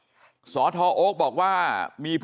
ทำให้สัมภาษณ์อะไรต่างนานไปออกรายการเยอะแยะไปหมด